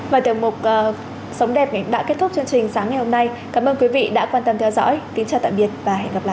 và tiểu mục sống đẹp này đã kết thúc chương trình sáng ngày hôm nay cảm ơn quý vị đã quan tâm theo dõi kính chào tạm biệt và hẹn gặp lại